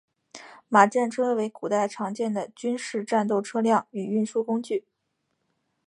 马战车为古代常见的军事战斗车辆与运输工具。